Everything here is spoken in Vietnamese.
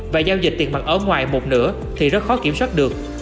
và giao dịch tiền mặt ở ngoài một nửa thì rất khó kiểm soát được